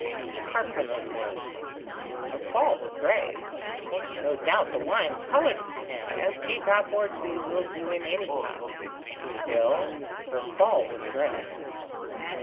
He harped on those words. Her fault was grave. No doubt the wine coloured it to him, as a drop or two will do in any cup: still her fault was grave.